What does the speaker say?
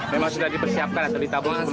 memang sudah dipersiapkan atau ditabung